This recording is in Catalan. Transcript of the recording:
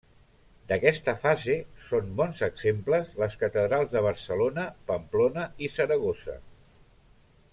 D'aquesta fase són bons exemples les catedrals de Barcelona, Pamplona i Saragossa.